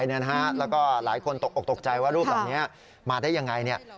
แล้วก็หลายคนตกตกใจว่ารูปแบบนี้มาได้อย่างไร